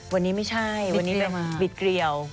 วันนี้ไม่ใช่วันนี้แบบบิดเกลียว